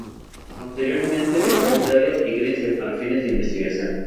Posteriormente viajó a Italia y Grecia para fines de investigación.